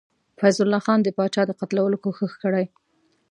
فیض الله خان د پاچا د قتلولو کوښښ کړی.